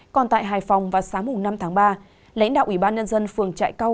còn tại hải phòng vào sáng năm tháng ba lãnh đạo ủy ban nhân dân phường trại cao